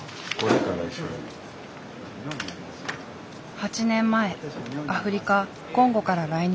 ８年前アフリカ・コンゴから来日。